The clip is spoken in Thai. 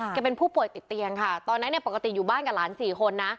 เป็นผู้ป่วยติดเตียงค่ะตอนนั้นเนี่ยปกติอยู่บ้านกับหลานสี่คนนะ